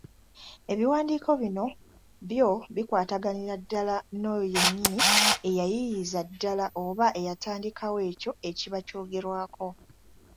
Ebiwandiiko bino byo bikwataganira ddala n’oyo yennyini eyayiiyiza ddala oba eyatandikawo ekyo ekiba kyogerwako.